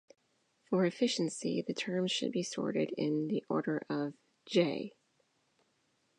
For efficiency, the terms should be sorted in order of "j".